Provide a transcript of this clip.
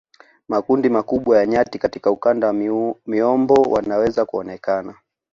Makundi makubwa ya nyati katika ukanda wa miombo wanaweza kuonekana